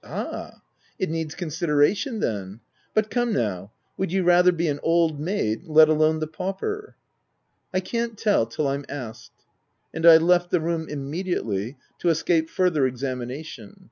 " Ah ! it needs consideration then— But come now— would you rather be an old maid— let alone the pauper ?"" I can't tell till I'm asked." And I left the room immediately, to escape further examination.